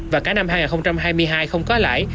và cả năm hai nghìn hai mươi hai không có lãi